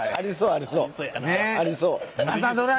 ありそう。